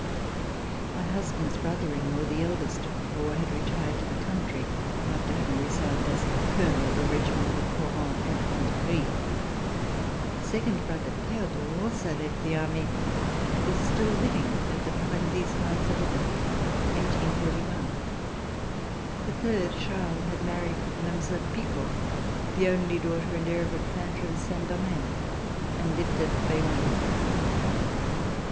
My husband's brother in law, the eldest of the four, had retired to the country, after having resigned as Colonel of the regi ment of the Couronne Infanterie. The second brother, Theodore, also left the army and is still living at the time these lines are written (1841). The third, Charles, had married Mile. Picot, the only daughter and heir of a planter of Saint Domingue and lived at Bayonne.